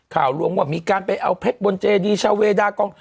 ลวงว่ามีการไปเอาเพชรบนเจดีชาเวดากอง